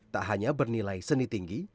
tak hanya bernilai seni tinggi